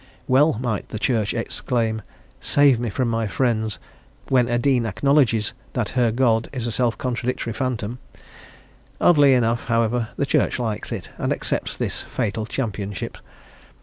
Well might the Church exclaim "Save me from my friends!" when a dean acknowledges that her God is a self contradictory phantom; oddly enough, however, the Church likes it, and accepts this fatal championship.